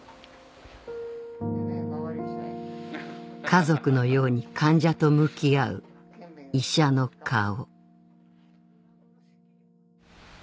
家族のように患者と向き合う医者の顔